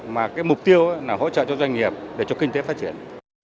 mục tiêu là hỗ trợ cho doanh nghiệp để cho kinh tế phát triển